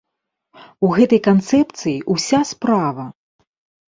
У гэтай канцэпцыі ўся справа!